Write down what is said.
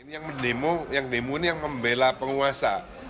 ini yang demo ini yang membela penguasa